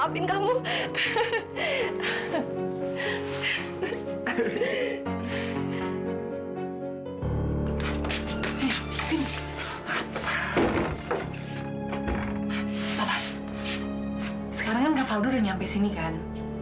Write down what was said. papa sekarang kan kak fardo udah nyampe sini kan